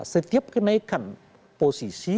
setiap kenaikan posisi